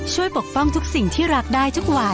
ปกป้องทุกสิ่งที่รักได้ทุกวัน